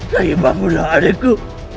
rayi bangunlah adeku